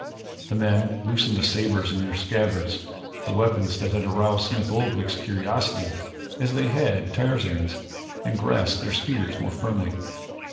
The men loosened the sabers in their scabbards, the weapons that had aroused Smith Oldwick's curiosity as they had Tarzan's, and grasped their spears more firmly.